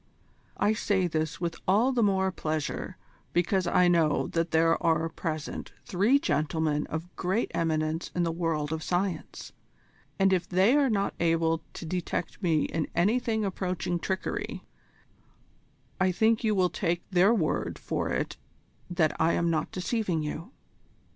I say this with all the more pleasure because I know that there are present three gentlemen of great eminence in the world of science, and if they are not able to detect me in anything approaching trickery, I think you will take their word for it that I am not deceiving you.